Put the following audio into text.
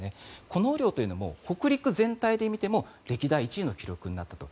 この雨量というのも北陸全体で見ても歴代１位の記録になったと。